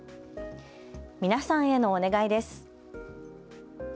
皆さんへのお願いです。